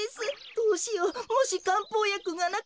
どうしようもしかんぽうやくがなかったら。